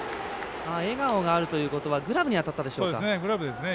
笑顔があるということはグラブに当たったでしょうか。